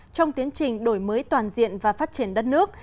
trong tiến trình đổi mới toàn diện và phát triển đất nước